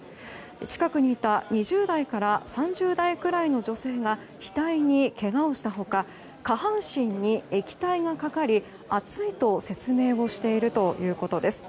近くにいた２０代から３０代くらいの女性がひたいにけがをした他下半身に液体がかかり熱いと説明をしているということです。